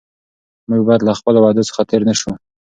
موږ باید له خپلو وعدو څخه تېر نه شو.